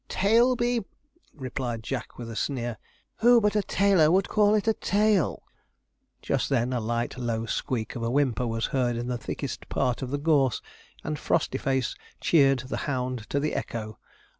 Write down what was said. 'Tail be !' replied Jack, with a sneer; 'who but a tailor would call it a tail?' Just then a light low squeak of a whimper was heard in the thickest part of the gorse, and Frostyface cheered the hound to the echo.